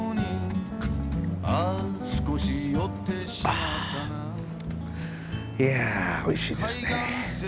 あいやおいしいですね。